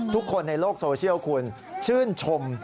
ทุกคนในโลกโซเชียลคุณชื่นชม